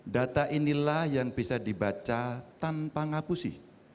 data inilah yang bisa dibaca tanpa ngapusi